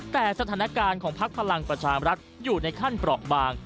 แต่สถานการณ์ของพักพลังประชามรัฐอยู่ในขั้นเปราะบาง